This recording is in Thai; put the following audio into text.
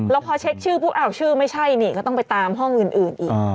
แล้วพอเช็คชื่อปุ๊บชื่อไม่ใช่นี่ก็ต้องไปตามห้องอื่นอีก